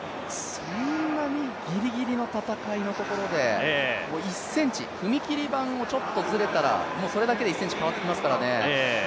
そんなにギリギリの戦いのところで、もう１ｃｍ、踏切板をちょっとずれたら、それだけで１ｃｍ変わってきますからね。